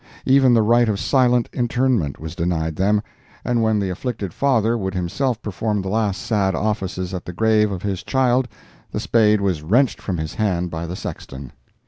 Even the right of silent interment was denied them, and when the afflicted father would himself perform the last sad offices at the grave of his child the spade was wrenched from his hand by the sexton."